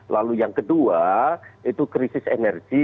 lalu yang kedua itu krisis energi